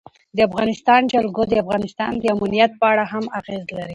د افغانستان جلکو د افغانستان د امنیت په اړه هم اغېز لري.